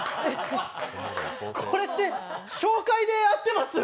これって、紹介で合ってます？